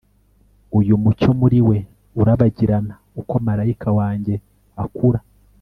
uyu mucyo muri we urabagirana uko marayika wanjye akura